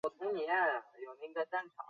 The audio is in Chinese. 长肢攀蜥为飞蜥科攀蜥属的爬行动物。